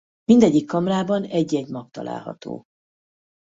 Mindegyik kamrában egy-egy mag található.